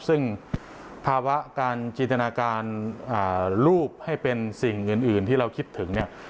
ซึ่งภาวะการจินตนาการรูปให้เป็นสิ่งอื่นที่เราคิดถึงเนี่ย